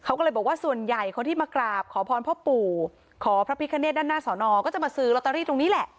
เขาก็เลยบอกว่าส่วนใหญ่คนที่มากราบขอพรพ่อปู่ขอพระพิคเนตด้านหน้าสอนอก็จะมาซื้อลอตเตอรี่ตรงนี้แหละ